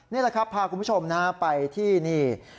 นี่แหละครับพาคุณผู้ชมนะไปที่นี่